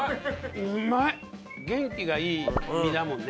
元気がいい身だもんね。